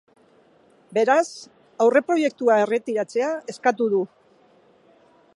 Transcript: Beraz, aurreproiektua erretiratzea eskatu du.